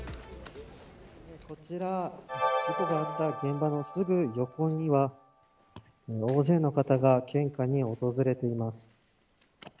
こちら、事故があった現場のすぐ横には大勢の方が献花に訪れています。